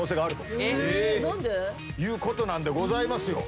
そういうことなんでございますよ。